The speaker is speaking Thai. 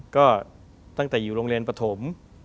ก็ตั้งแต่อยู่โรงเรียนปฐม